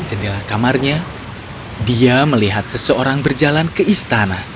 jendela kamarnya dia melihat seseorang berjalan ke istana